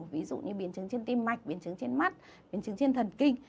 ví dụ như biến chứng trên tim mạch biến chứng trên mắt biến chứng trên thần kinh